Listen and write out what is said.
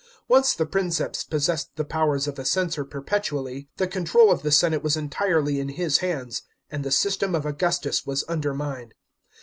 Once the Princeps possessed the powers of a censor perpetually, the control of the senate was entirely in his hands, and the system of Augustus was undermined.